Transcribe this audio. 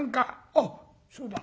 あっそうだ。